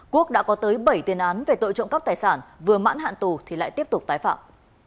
quốc đã có tới bảy tiền án về tội trộm cắp tài sản vừa mãn hạn tù thì lại tiếp tục tái phạm